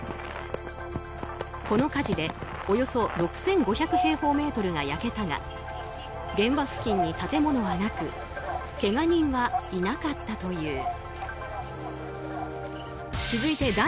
この火事でおよそ６５００平方メートルが焼けたが現場付近に建物はなくけが人はいなかったという。